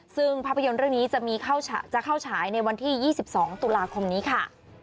ซึ่งภาพยนตร์เรื่องนี้จะเข้าฉายในวันที่๒๒ตุลาคมนี้ค่ะ